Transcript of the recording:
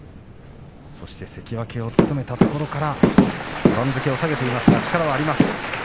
そして関脇を務めたところから番付を下げていますが力があります。